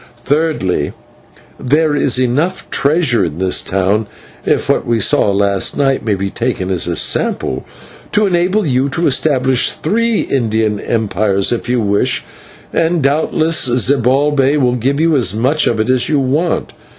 Thirdly, there is enough treasure in this town, if what we saw last night may be taken as a sample, to enable you to establish three Indian Empires, if you wish, and doubtless Zibalbay will give you as much of it as you may want.